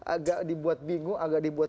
agak dibuat bingung agak dibuat